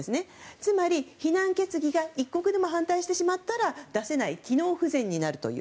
つまり、非難決議が１国でも反対してしまったら出せない機能不全になるという。